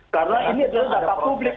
karena ini adalah data publik